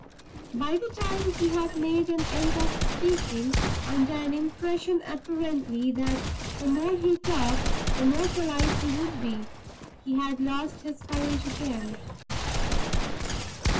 By the time he had made an end of speaking (under an impression apparently that the more he talked the more polite he would be) he had lost his courage again.